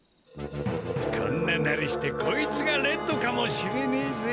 こんななりしてこいつがレッドかもしれねえぜ。